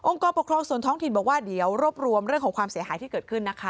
กรปกครองส่วนท้องถิ่นบอกว่าเดี๋ยวรวบรวมเรื่องของความเสียหายที่เกิดขึ้นนะคะ